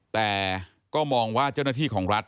แต่ก็มองว่าเจ้าหน้าที่ของรัฐ